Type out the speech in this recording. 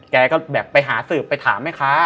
แกก็ไปหาสืบไปถามให้คะ